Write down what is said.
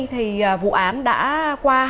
thì vụ án đã qua